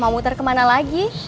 mau muter kemana lagi